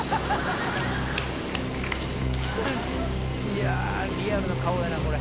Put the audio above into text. いやリアルな顔やなこれ。